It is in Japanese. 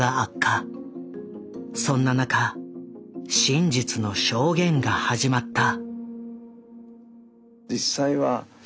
そんな中真実の証言が始まった。